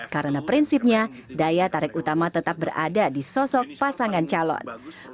karena prinsipnya daya tarik utama tetap berada di sosok pasangan calon